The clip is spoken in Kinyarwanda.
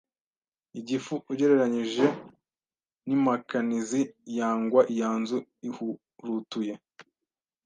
igufi ugereranyije n’impakanizi yangwa iyanzu ihurutuye